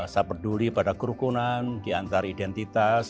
saya peduli pada kerukunan di antaridentitas